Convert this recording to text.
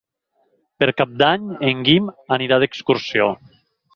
Per Cap d'Any en Guim anirà d'excursió.